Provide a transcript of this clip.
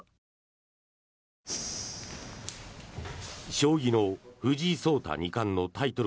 将棋の藤井聡太二冠のタイトル